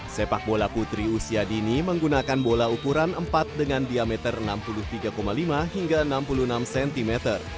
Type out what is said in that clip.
sepak bola putri usia dini menggunakan bola ukuran empat dengan diameter enam puluh tiga lima hingga enam puluh enam cm